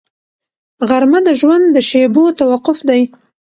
غرمه د ژوند د شېبو توقف دی